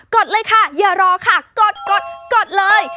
ดเลยค่ะอย่ารอค่ะกดกดเลย